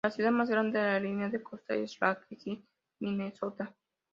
La ciudad más grande de la línea de costa es Lake City, Minnesota.